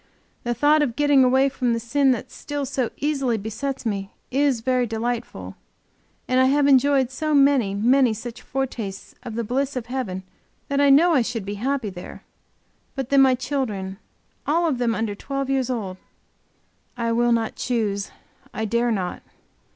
The thought of getting away from the sin that still so easily besets me is very delightful, and I have enjoyed so many, many such foretastes of the bliss of heaven that I know I should be happy there, but then my children, all of them under twelve years old! I will not choose, I dare not.